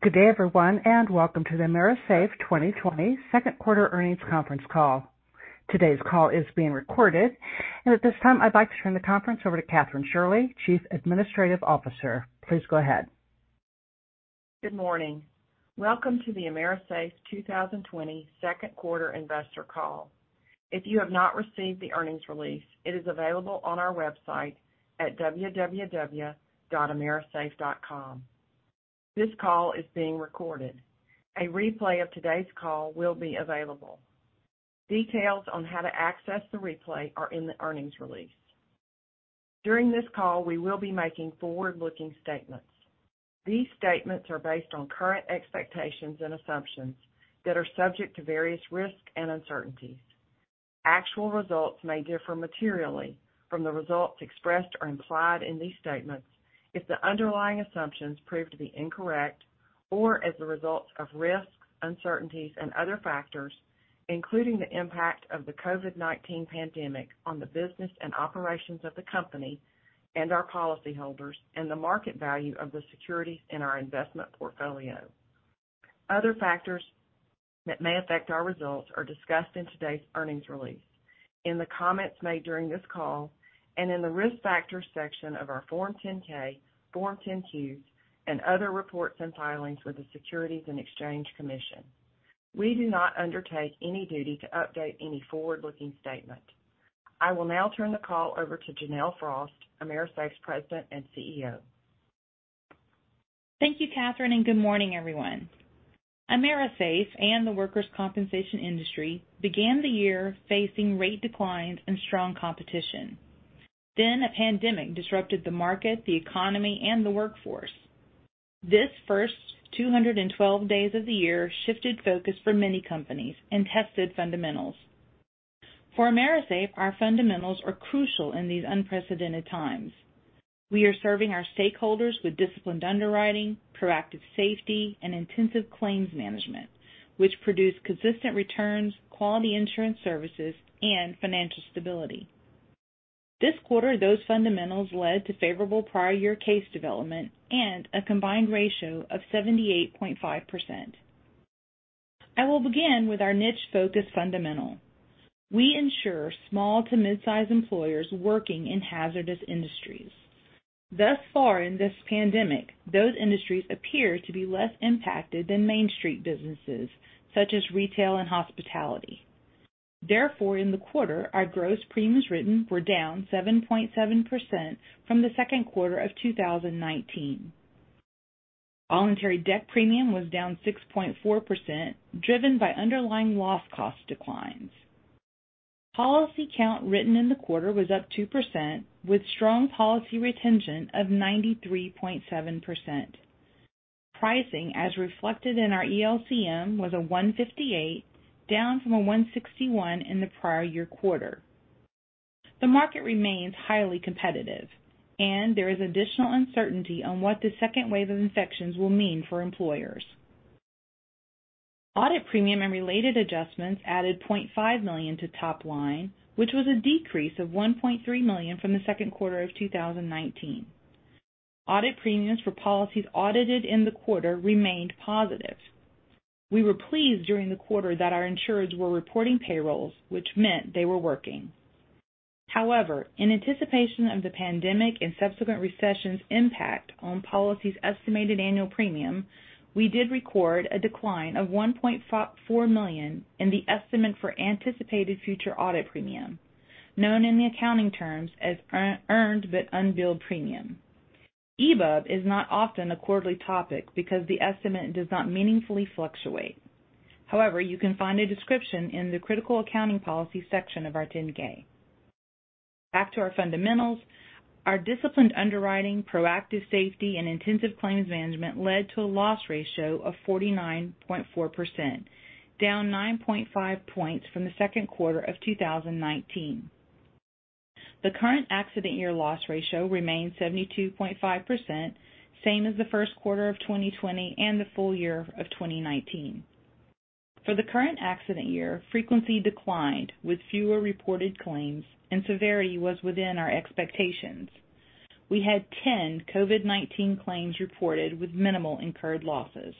Good day, everyone, and welcome to the AMERISAFE 2020 second quarter earnings conference call. Today's call is being recorded. At this time, I'd like to turn the conference over to Kathryn Shirley, Chief Administrative Officer. Please go ahead. Good morning. Welcome to the AMERISAFE 2020 second quarter investor call. If you have not received the earnings release, it is available on our website at www.amerisafe.com. This call is being recorded. A replay of today's call will be available. Details on how to access the replay are in the earnings release. During this call, we will be making forward-looking statements. These statements are based on current expectations and assumptions that are subject to various risks and uncertainties. Actual results may differ materially from the results expressed or implied in these statements if the underlying assumptions prove to be incorrect or as a result of risks, uncertainties, and other factors, including the impact of the COVID-19 pandemic on the business and operations of the company and our policyholders and the market value of the securities in our investment portfolio. Other factors that may affect our results are discussed in today's earnings release, in the comments made during this call, and in the Risk Factors section of our Form 10-K, Form 10-Qs, and other reports and filings with the Securities and Exchange Commission. We do not undertake any duty to update any forward-looking statement. I will now turn the call over to Janelle Frost, AMERISAFE's President and CEO. Thank you, Kathryn, good morning, everyone. AMERISAFE and the workers' compensation industry began the year facing rate declines and strong competition. A pandemic disrupted the market, the economy, and the workforce. This first 212 days of the year shifted focus for many companies and tested fundamentals. For AMERISAFE, our fundamentals are crucial in these unprecedented times. We are serving our stakeholders with disciplined underwriting, proactive safety, and intensive claims management, which produce consistent returns, quality insurance services, and financial stability. This quarter, those fundamentals led to favorable prior year case development and a combined ratio of 78.5%. I will begin with our niche focus fundamental. We insure small to mid-size employers working in hazardous industries. Thus far in this pandemic, those industries appear to be less impacted than Main Street businesses, such as retail and hospitality. In the quarter, our gross premiums written were down 7.7% from the second quarter of 2019. Voluntary deck premium was down 6.4%, driven by underlying loss cost declines. Policy count written in the quarter was up 2%, with strong policy retention of 93.7%. Pricing, as reflected in our ELCM, was a 158, down from a 161 in the prior year quarter. The market remains highly competitive, and there is additional uncertainty on what the second wave of infections will mean for employers. Audit premium and related adjustments added $0.5 million to top line, which was a decrease of $1.3 million from the second quarter of 2019. Audit premiums for policies audited in the quarter remained positive. We were pleased during the quarter that our insurers were reporting payrolls, which meant they were working. In anticipation of the pandemic and subsequent recession's impact on policies' estimated annual premium, we did record a decline of $1.4 million in the estimate for anticipated future audit premium, known in the accounting terms as earned but unbilled premium. EBUB is not often a quarterly topic because the estimate does not meaningfully fluctuate. You can find a description in the Critical Accounting Policy section of our 10-K. Back to our fundamentals, our disciplined underwriting, proactive safety, and intensive claims management led to a loss ratio of 49.4%, down 9.5 points from the second quarter of 2019. The current accident year loss ratio remains 72.5%, same as the first quarter of 2020 and the full year of 2019. For the current accident year, frequency declined with fewer reported claims, and severity was within our expectations. We had 10 COVID-19 claims reported with minimal incurred losses.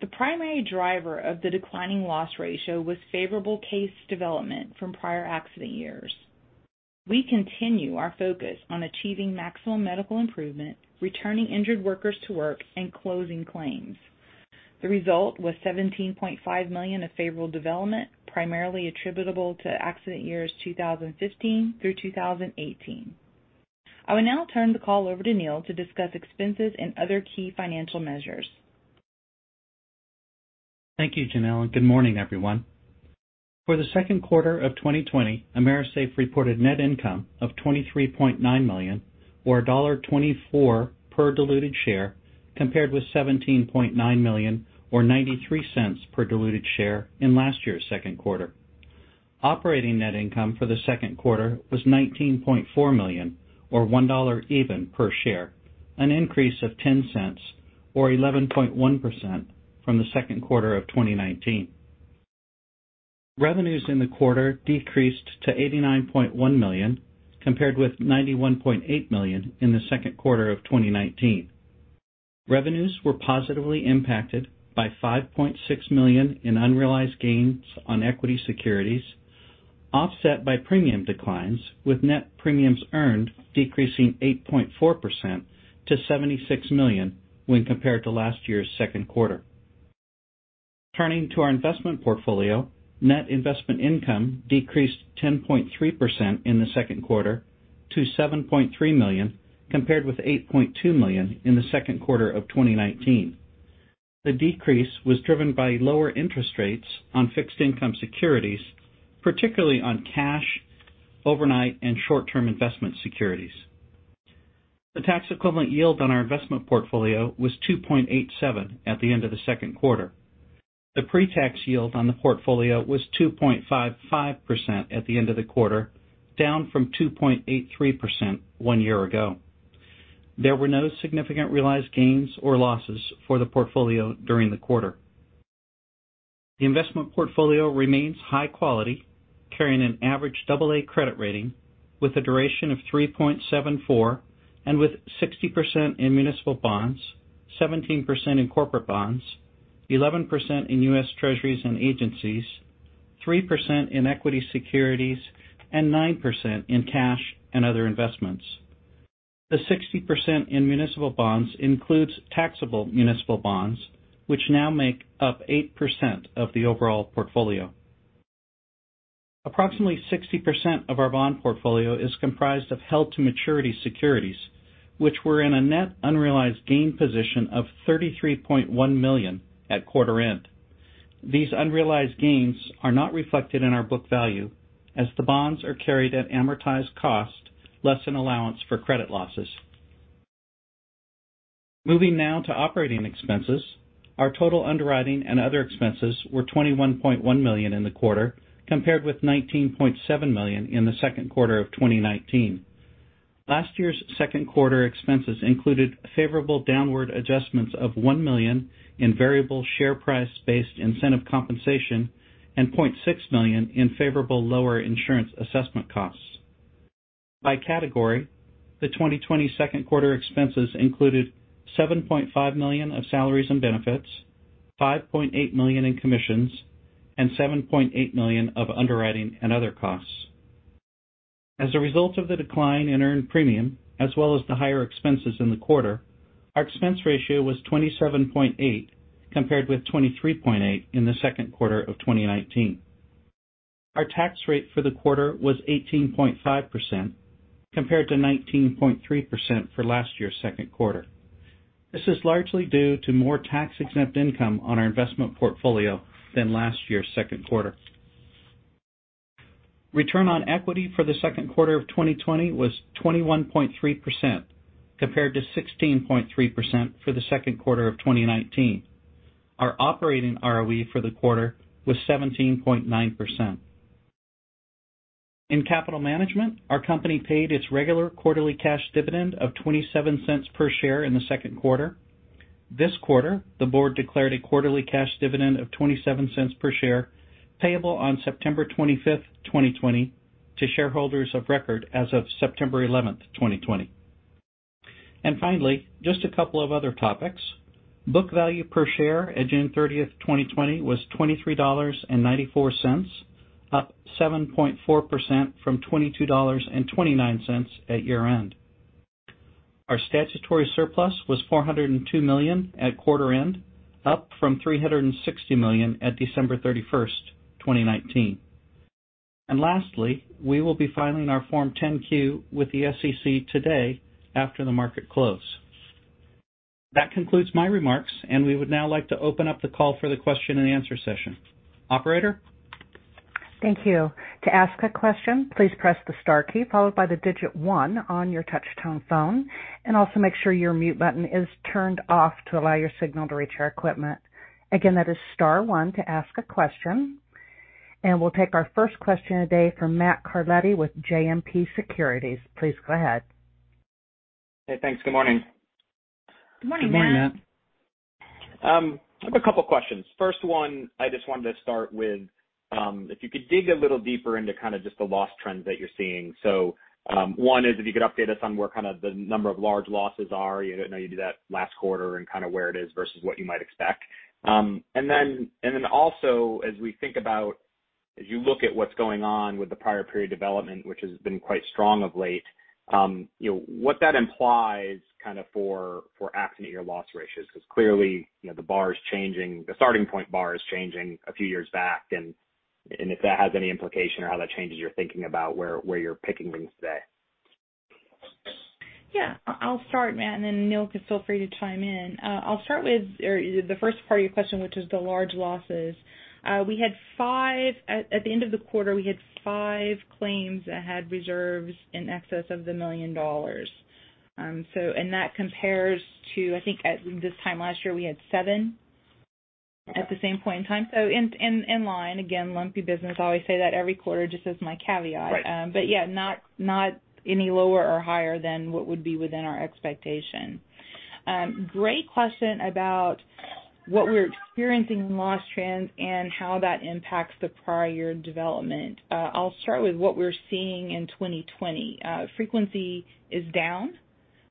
The primary driver of the declining loss ratio was favorable case development from prior accident years. We continue our focus on achieving maximum medical improvement, returning injured workers to work, and closing claims. The result was $17.5 million of favorable development, primarily attributable to accident years 2015 through 2018. I will now turn the call over to Neal to discuss expenses and other key financial measures. Thank you, Janelle, and good morning, everyone. For the second quarter of 2020, AMERISAFE reported net income of $23.9 million, or $1.24 per diluted share, compared with $17.9 million, or $0.93 per diluted share in last year's second quarter. Operating net income for the second quarter was $19.4 million, or $1 even per share, an increase of $0.10 or 11.1% from the second quarter of 2019. Revenues in the quarter decreased to $89.1 million, compared with $91.8 million in the second quarter of 2019. Revenues were positively impacted by $5.6 million in unrealized gains on equity securities, offset by premium declines, with net premiums earned decreasing 8.4% to $76 million when compared to last year's second quarter. Turning to our investment portfolio, net investment income decreased 10.3% in the second quarter to $7.3 million, compared with $8.2 million in the second quarter of 2019. The decrease was driven by lower interest rates on fixed income securities, particularly on cash, overnight, and short-term investment securities. The tax equivalent yield on our investment portfolio was 2.87% at the end of the second quarter. The pre-tax yield on the portfolio was 2.55% at the end of the quarter, down from 2.83% one year ago. There were no significant realized gains or losses for the portfolio during the quarter. The investment portfolio remains high quality, carrying an average AA credit rating with a duration of 3.74 and with 60% in municipal bonds, 17% in corporate bonds, 11% in U.S. Treasuries and agencies, 3% in equity securities, and 9% in cash and other investments. The 60% in municipal bonds includes taxable municipal bonds, which now make up 8% of the overall portfolio. Approximately 60% of our bond portfolio is comprised of held-to-maturity securities, which were in a net unrealized gain position of $33.1 million at quarter end. These unrealized gains are not reflected in our book value as the bonds are carried at amortized cost less than allowance for credit losses. Moving now to operating expenses. Our total underwriting and other expenses were $21.1 million in the quarter, compared with $19.7 million in the second quarter of 2019. Last year's second quarter expenses included favorable downward adjustments of $1 million in variable share price based incentive compensation and $0.6 million in favorable lower insurance assessment costs. By category, the 2020 second quarter expenses included $7.5 million of salaries and benefits, $5.8 million in commissions, and $7.8 million of underwriting and other costs. As a result of the decline in earned premium as well as the higher expenses in the quarter, our expense ratio was 27.8%, compared with 23.8% in the second quarter of 2019. Our tax rate for the quarter was 18.5%, compared to 19.3% for last year's second quarter. This is largely due to more tax-exempt income on our investment portfolio than last year's second quarter. Return on equity for the second quarter of 2020 was 21.3%, compared to 16.3% for the second quarter of 2019. Our operating ROE for the quarter was 17.9%. In capital management, our company paid its regular quarterly cash dividend of $0.27 per share in the second quarter. This quarter, the board declared a quarterly cash dividend of $0.27 per share, payable on September 25th, 2020, to shareholders of record as of September 11th, 2020. Finally, just a couple of other topics. Book value per share at June 30th, 2020, was $23.94, up 7.4% from $22.29 at year-end. Our statutory surplus was $402 million at quarter end, up from $360 million at December 31st, 2019. Lastly, we will be filing our Form 10-Q with the SEC today after the market close. That concludes my remarks, and we would now like to open up the call for the question and answer session. Operator? Thank you. To ask a question, please press the star key followed by the digit one on your touch-tone phone, and also make sure your mute button is turned off to allow your signal to reach our equipment. Again, that is star one to ask a question. We'll take our first question today from Matthew Carletti with JMP Securities. Please go ahead. Hey, thanks. Good morning. Good morning, Matt. Good morning. I have a couple of questions. First one I just wanted to start with, if you could dig a little deeper into kind of just the loss trends that you're seeing. One is if you could update us on where kind of the number of large losses are. I know you did that last quarter and kind of where it is versus what you might expect. Also as we think about as you look at what's going on with the prior period development, which has been quite strong of late, what that implies kind of for accident year loss ratios, because clearly, the starting point bar is changing a few years back, and if that has any implication or how that changes your thinking about where you're picking things today. Yeah. I'll start, Matt, then Neal could feel free to chime in. I'll start with the first part of your question, which is the large losses. At the end of the quarter, we had five claims that had reserves in excess of the million dollars. That compares to, I think, at this time last year, we had seven at the same point in time. In line. Again, lumpy business. I always say that every quarter just as my caveat. Right. Yeah, not any lower or higher than what would be within our expectation. Great question about what we're experiencing in loss trends and how that impacts the prior year development. I'll start with what we're seeing in 2020. Frequency is down.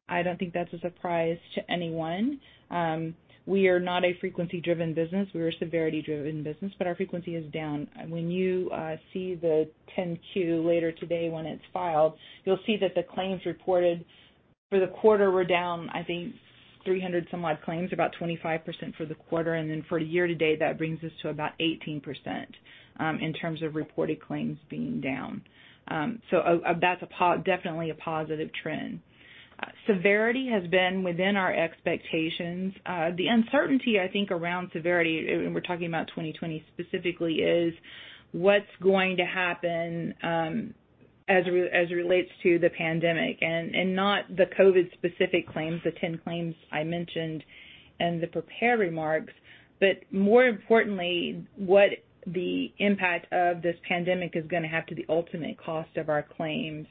I don't think that's a surprise to anyone. We are not a frequency-driven business. We're a severity-driven business, but our frequency is down. When you see the 10-Q later today when it's filed, you'll see that the claims reported for the quarter were down, I think, 300 some odd claims, about 25% for the quarter. For year-to-date, that brings us to about 18%, in terms of reported claims being down. That's definitely a positive trend. Severity has been within our expectations. The uncertainty, I think, around severity, and we're talking about 2020 specifically, is what's going to happen as it relates to the pandemic, and not the COVID-specific claims, the 10 claims I mentioned in the prepared remarks, but more importantly, what the impact of this pandemic is going to have to the ultimate cost of our claims.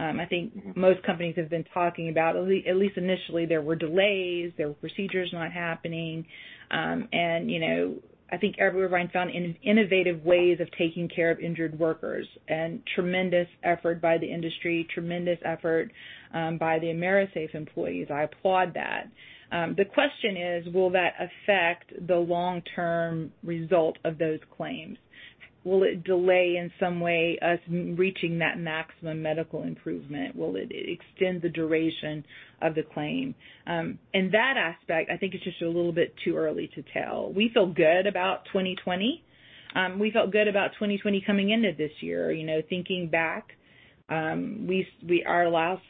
I think most companies have been talking about, at least initially, there were delays, there were procedures not happening. I think everybody found innovative ways of taking care of injured workers, and tremendous effort by the industry, tremendous effort by the AMERISAFE employees. I applaud that. The question is: Will that affect the long-term result of those claims? Will it delay, in some way, us reaching that maximum medical improvement? Will it extend the duration of the claim? In that aspect, I think it's just a little bit too early to tell. We feel good about 2020. We felt good about 2020 coming into this year. Thinking back, our loss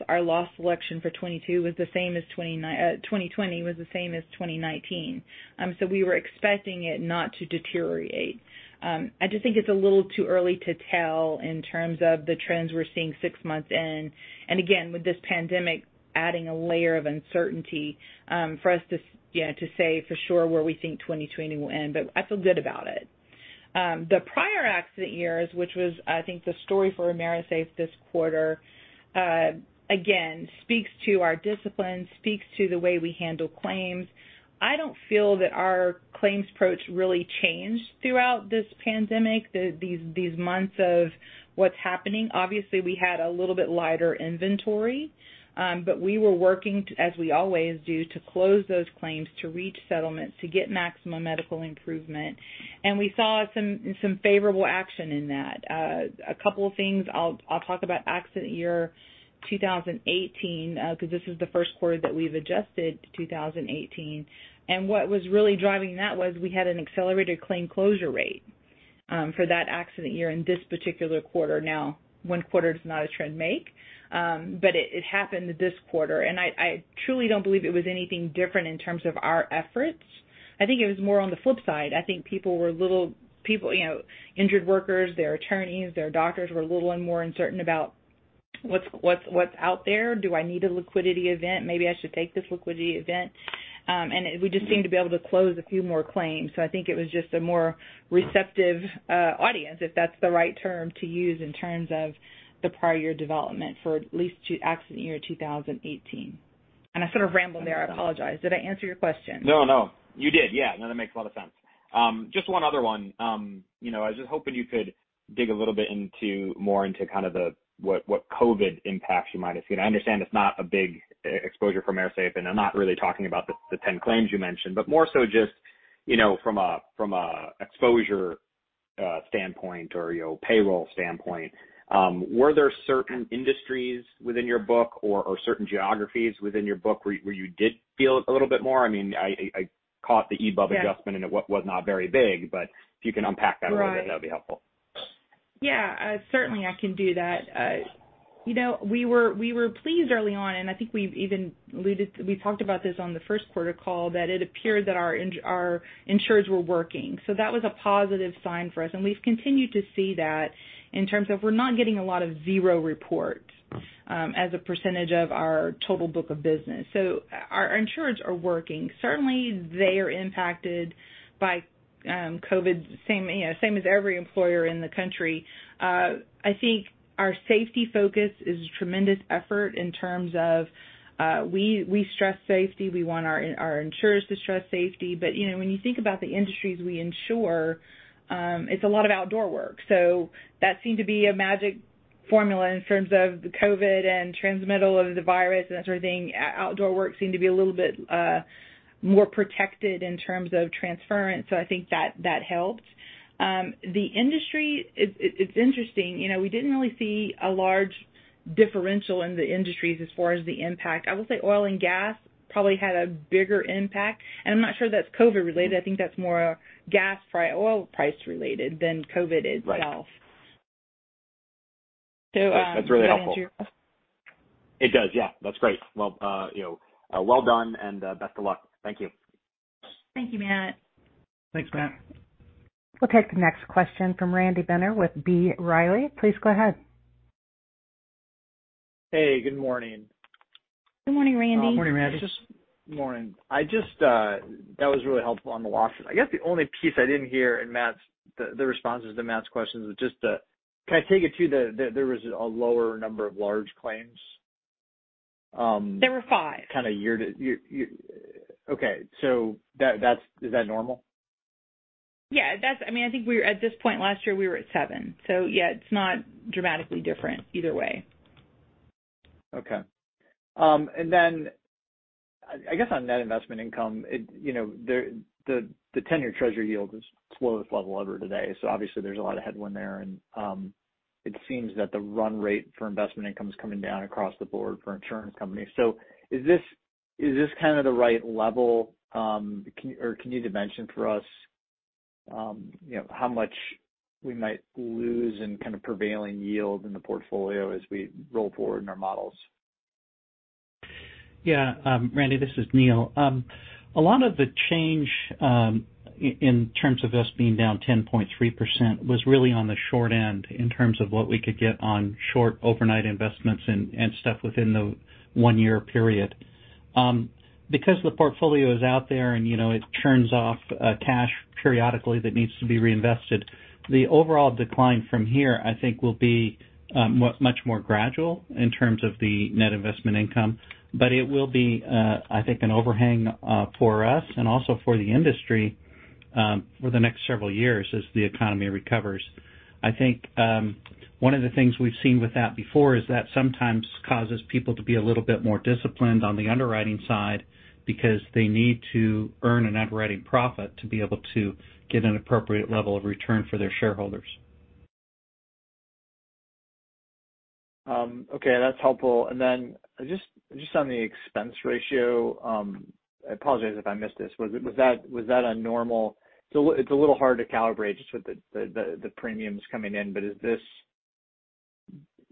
selection for 2020 was the same as 2019. We were expecting it not to deteriorate. I just think it's a little too early to tell in terms of the trends we're seeing six months in. Again, with this pandemic adding a layer of uncertainty for us to say for sure where we think 2020 will end. I feel good about it. The prior accident years, which was, I think, the story for AMERISAFE this quarter, again, speaks to our discipline, speaks to the way we handle claims. I don't feel that our claims approach really changed throughout this pandemic, these months of what's happening. Obviously, we had a little bit lighter inventory. We were working, as we always do, to close those claims, to reach settlements, to get maximum medical improvement. We saw some favorable action in that. A couple of things. I'll talk about accident year 2018, because this is the first quarter that we've adjusted to 2018. What was really driving that was we had an accelerated claim closure rate for that accident year in this particular quarter. Now, one quarter does not a trend make, but it happened this quarter, and I truly don't believe it was anything different in terms of our efforts. I think it was more on the flip side. I think injured workers, their attorneys, their doctors were a little more uncertain about what's out there. Do I need a liquidity event? Maybe I should take this liquidity event. We just seemed to be able to close a few more claims. I think it was just a more receptive audience, if that's the right term to use, in terms of the prior year development for at least accident year 2018. I sort of rambled there. I apologize. Did I answer your question? No, you did. Yeah. No, that makes a lot of sense. Just one other one. I was just hoping you could dig a little bit more into what COVID impacts you might have seen. I understand it's not a big exposure for AMERISAFE, and I'm not really talking about the 10 claims you mentioned, but more so just from an exposure standpoint or payroll standpoint. Were there certain industries within your book or certain geographies within your book where you did feel it a little bit more? I caught the EBUB adjustment- Yeah It was not very big, but if you can unpack that a little bit- Right that'd be helpful. Yeah. Certainly, I can do that. We were pleased early on, and I think we talked about this on the first quarter call, that it appeared that our insurers were working. That was a positive sign for us, and we've continued to see that in terms of we're not getting a lot of zero reports as a percentage of our total book of business. Our insurers are working. Certainly, they are impacted by COVID, same as every employer in the country. I think our safety focus is a tremendous effort in terms of we stress safety. We want our insurers to stress safety. When you think about the industries we insure, it's a lot of outdoor work. That seemed to be a magic formula in terms of the COVID and transmittal of the virus and that sort of thing. Outdoor work seemed to be a little bit more protected in terms of transference, so I think that helped. The industry. It's interesting. We didn't really see a large differential in the industries as far as the impact. I will say oil and gas probably had a bigger impact, and I'm not sure that's COVID related. I think that's more gas price, oil price related than COVID itself. Right. So- That's really helpful. Does that answer your question? It does, yeah. That's great. Well done, and best of luck. Thank you. Thank you, Matt. Thanks, Matt. We'll take the next question from Randy Binner with B. Riley. Please go ahead. Hey, good morning. Good morning, Randy. Morning, Randy. Morning. That was really helpful on the losses. I guess the only piece I didn't hear in the responses to Matt's questions was just the Can I take it too that there was a lower number of large claims? There were five. Okay. Is that normal? Yeah. I think at this point last year, we were at seven, yeah, it's not dramatically different either way. Okay. Then I guess on net investment income, the 10-year Treasury yield is lowest level ever today. Obviously there's a lot of headwind there, and it seems that the run rate for investment income is coming down across the board for insurance companies. Is this the right level? Can you dimension for us how much we might lose in prevailing yield in the portfolio as we roll forward in our models? Yeah. Randy, this is Neal. A lot of the change, in terms of us being down 10.3%, was really on the short end in terms of what we could get on short overnight investments and stuff within the one-year period. Because the portfolio is out there and it churns off cash periodically that needs to be reinvested, the overall decline from here, I think, will be much more gradual in terms of the net investment income. It will be, I think, an overhang for us and also for the industry for the next several years as the economy recovers. I think one of the things we've seen with that before is that sometimes causes people to be a little bit more disciplined on the underwriting side because they need to earn an underwriting profit to be able to get an appropriate level of return for their shareholders. Okay. That's helpful. Just on the expense ratio, I apologize if I missed this. It's a little hard to calibrate just with the premiums coming in, but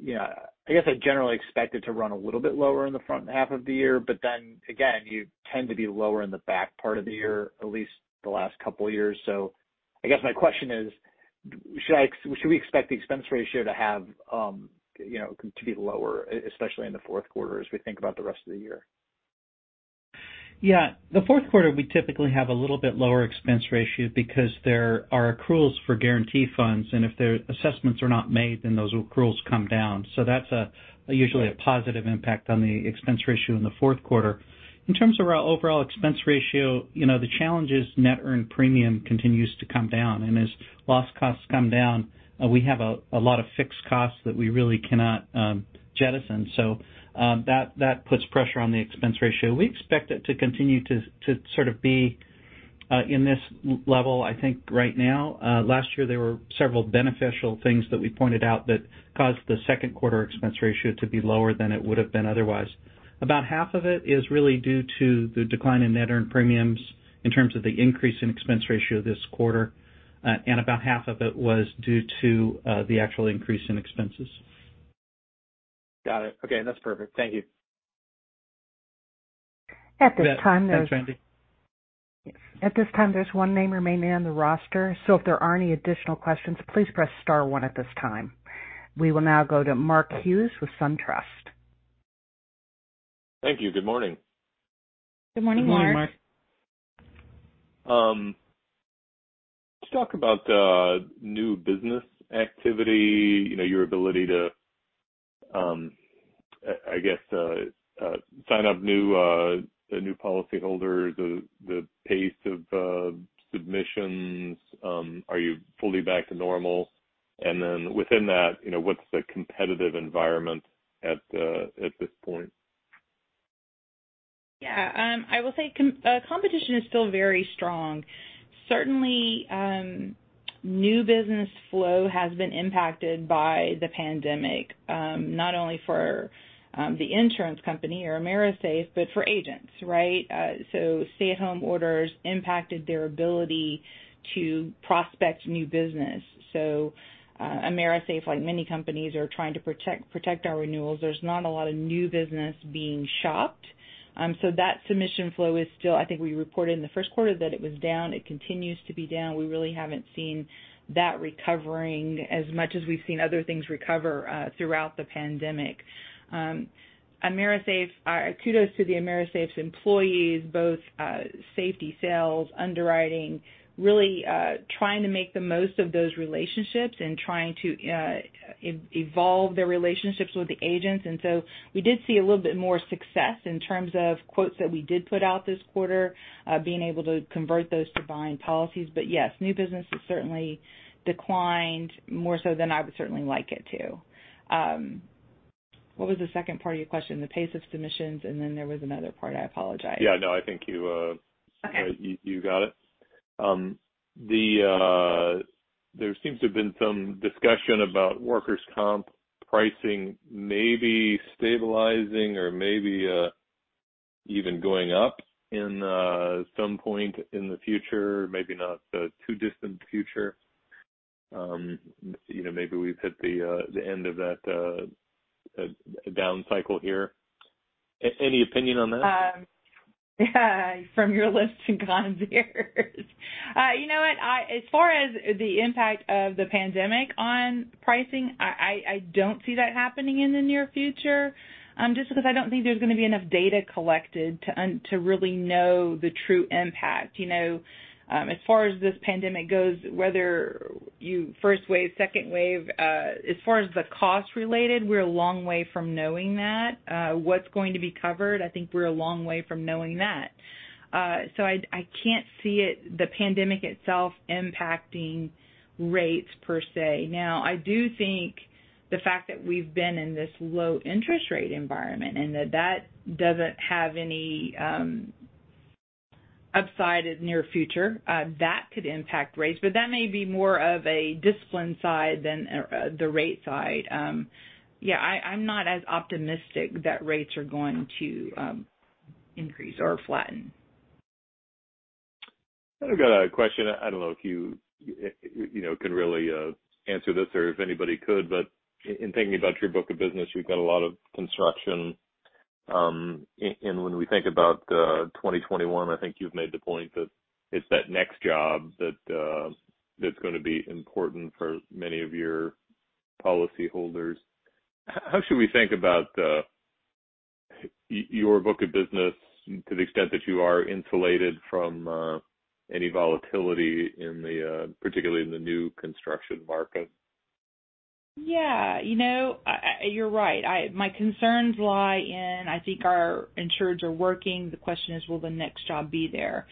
I guess I generally expect it to run a little bit lower in the front half of the year, but then again, you tend to be lower in the back part of the year, at least the last couple of years. I guess my question is, should we expect the expense ratio to be lower, especially in the fourth quarter, as we think about the rest of the year? Yeah. The fourth quarter, we typically have a little bit lower expense ratio because there are accruals for guarantee funds, and if their assessments are not made, then those accruals come down. That's usually a positive impact on the expense ratio in the fourth quarter. In terms of our overall expense ratio, the challenge is net earned premium continues to come down, and as loss costs come down, we have a lot of fixed costs that we really cannot jettison. That puts pressure on the expense ratio. We expect it to continue to be in this level, I think right now. Last year, there were several beneficial things that we pointed out that caused the second quarter expense ratio to be lower than it would've been otherwise. About half of it is really due to the decline in net earned premiums in terms of the increase in expense ratio this quarter. About half of it was due to the actual increase in expenses. Got it. Okay. That's perfect. Thank you. At this time, Thanks, Randy. At this time, there's one name remaining on the roster, so if there are any additional questions, please press star one at this time. We will now go to Mark Hughes with SunTrust. Thank you. Good morning. Good morning, Mark. Good morning, Mark. Could you talk about new business activity, your ability to, I guess, sign up new policyholders, the pace of submissions. Are you fully back to normal? Then within that, what's the competitive environment at this point? Yeah. I will say competition is still very strong. Certainly, new business flow has been impacted by the pandemic, not only for the insurance company or AMERISAFE, but for agents, right? Stay-at-home orders impacted their ability to prospect new business. AMERISAFE, like many companies, are trying to protect our renewals. There's not a lot of new business being shopped. That submission flow is still I think we reported in the first quarter that it was down. It continues to be down. We really haven't seen that recovering as much as we've seen other things recover throughout the pandemic. Kudos to the AMERISAFE's employees, both safety, sales, underwriting, really trying to make the most of those relationships and trying to evolve their relationships with the agents. We did see a little bit more success in terms of quotes that we did put out this quarter, being able to convert those to buying policies. Yes, new business has certainly declined more so than I would certainly like it to. What was the second part of your question? The pace of submissions, and then there was another part. I apologize. Yeah. No, I think. Okay You got it. There seems to have been some discussion about workers' comp pricing maybe stabilizing or maybe even going up in some point in the future, maybe not the too distant future. Maybe we've hit the end of that down cycle here. Any opinion on that? From your lips to God's ears. You know what? As far as the impact of the pandemic on pricing I don't see that happening in the near future, just because I don't think there's going to be enough data collected to really know the true impact. As far as this pandemic goes, whether you first wave, second wave, as far as the cost related, we're a long way from knowing that. What's going to be covered, I think we're a long way from knowing that. I can't see the pandemic itself impacting rates per se. Now, I do think the fact that we've been in this low interest rate environment and that doesn't have any upside in the near future, that could impact rates. That may be more of a discipline side than the rate side. Yeah, I'm not as optimistic that rates are going to increase or flatten. I've got a question. I don't know if you can really answer this or if anybody could, but in thinking about your book of business, you've got a lot of construction. When we think about 2021, I think you've made the point that it's that next job that's going to be important for many of your policyholders. How should we think about your book of business to the extent that you are insulated from any volatility, particularly in the new construction market? Yeah. You're right. My concerns lie in, I think our insureds are working. The question is, will the next job be there?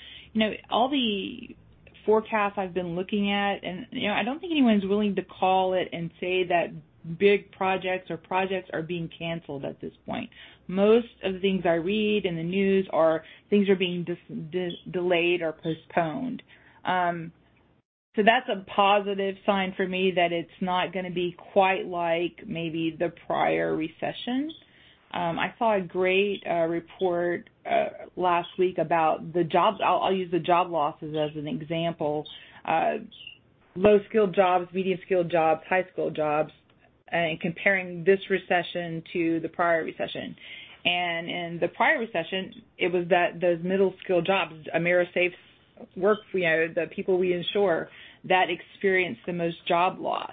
All the forecasts I've been looking at, I don't think anyone's willing to call it and say that big projects or projects are being canceled at this point. Most of the things I read in the news are things are being delayed or postponed. That's a positive sign for me that it's not going to be quite like maybe the prior recession. I saw a great report last week about the jobs. I'll use the job losses as an example. Low-skilled jobs, medium-skilled jobs, high-skilled jobs, and comparing this recession to the prior recession. In the prior recession, it was those middle-skill jobs, AMERISAFE's work, the people we insure, that experienced the most job loss.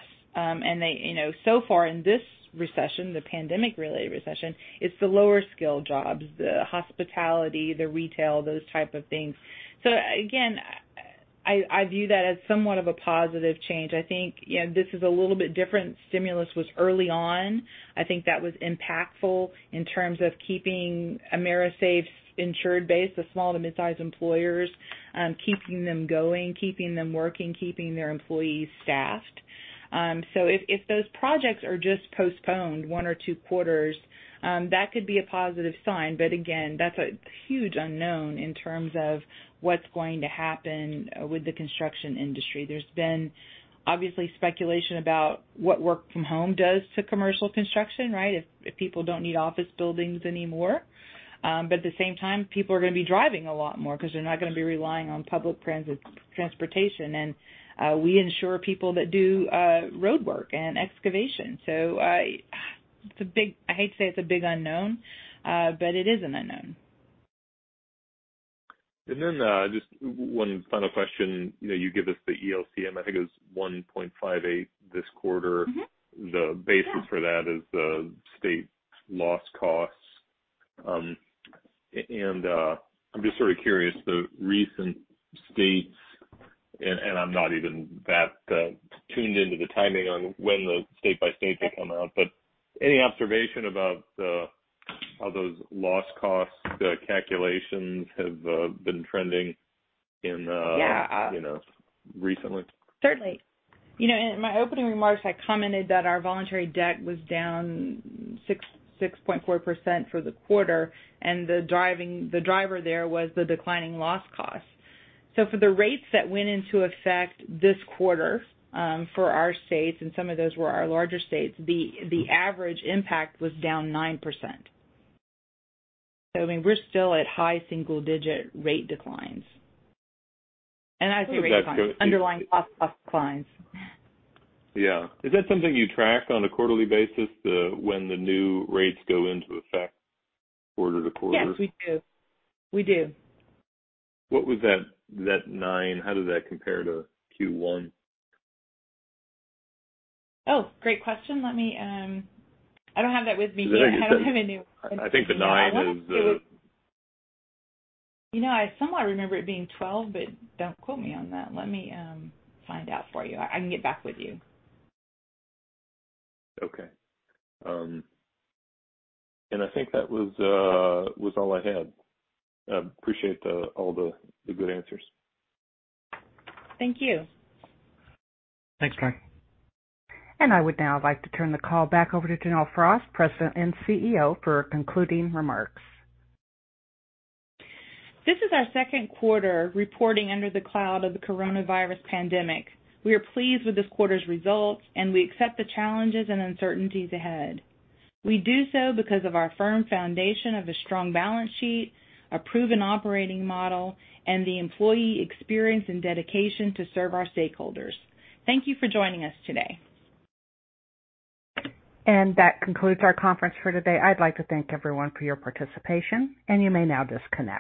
So far in this recession, the pandemic-related recession, it's the lower-skill jobs, the hospitality, the retail, those type of things. Again, I view that as somewhat of a positive change. I think this is a little bit different. Stimulus was early on. I think that was impactful in terms of keeping AMERISAFE's insured base, the small to midsize employers, keeping them going, keeping them working, keeping their employees staffed. If those projects are just postponed one or two quarters, that could be a positive sign. But again, that's a huge unknown in terms of what's going to happen with the construction industry. There's been obviously speculation about what work from home does to commercial construction, right? If people don't need office buildings anymore. At the same time, people are going to be driving a lot more because they're not going to be relying on public transportation. We insure people that do roadwork and excavation. I hate to say it's a big unknown, but it is an unknown. Just one final question. You give us the ELCM, I think it was 1.58 this quarter. Mm-hmm. Yeah. The basis for that is the state's loss costs. I'm just sort of curious, the recent states, I'm not even that tuned into the timing on when the state by state they come out, but any observation about how those loss costs, the calculations have been trending in. Yeah recently? Certainly. In my opening remarks, I commented that our voluntary deck was down 6.4% for the quarter, and the driver there was the declining loss cost. For the rates that went into effect this quarter for our states, and some of those were our larger states, the average impact was down 9%. I mean, we're still at high single-digit rate declines. As the rate declines, underlying cost declines. Yeah. Is that something you track on a quarterly basis, when the new rates go into effect quarter to quarter? Yes, we do. We do. What was that nine? How did that compare to Q1? Oh, great question. I don't have that with me here. That's okay. I don't have it here. I think the nine is. I somehow remember it being 12, Don't quote me on that. Let me find out for you. I can get back with you. Okay. I think that was all I had. I appreciate all the good answers. Thank you. Thanks, Mark. I would now like to turn the call back over to G. Janelle Frost, President and Chief Executive Officer, for concluding remarks. This is our second quarter reporting under the cloud of the coronavirus pandemic. We are pleased with this quarter's results, and we accept the challenges and uncertainties ahead. We do so because of our firm foundation of a strong balance sheet, a proven operating model, and the employee experience and dedication to serve our stakeholders. Thank you for joining us today. That concludes our conference for today. I'd like to thank everyone for your participation, and you may now disconnect.